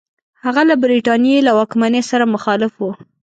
هغه له برټانیې له واکمنۍ سره مخالف وو.